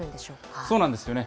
そうなんですよね。